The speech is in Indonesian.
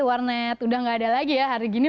warnet udah nggak ada lagi ya hari gini